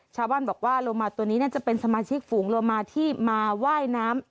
ชาวบ้านบอกว่าโลมาตัวนี้น่าจะเป็นสมาชิกฝูงโลมาที่มาว่ายน้ำ